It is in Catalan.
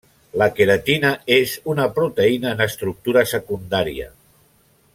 La queratina és una proteïna en estructura secundària.